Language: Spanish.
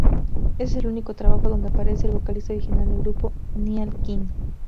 Este es el único trabajo donde aparece el vocalista original del grupo, Niall Quinn.